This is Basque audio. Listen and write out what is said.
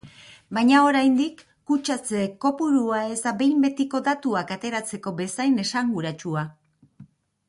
Baina oraindik kutsatze kopurua ez da behin betiko datuak ateratzeko bezain esanguratsua.